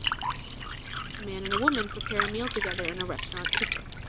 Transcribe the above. A man and a woman prepare a meal together in a restaurant kitchen.